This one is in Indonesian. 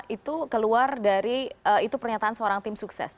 itu keluar dari itu pernyataan seorang tim sukses